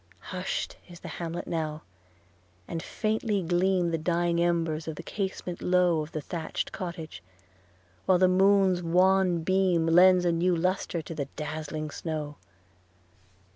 Hush'd is the hamlet now; and faintly gleam The dying embers from the casement low Of the thatch'd cottage; while the moon's wan beam Lends a new lustre to the dazzling snow.